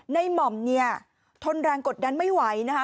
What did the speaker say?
นายหม่อมเนี่ยทนร่างกฎดันไม่ไหวนะฮะ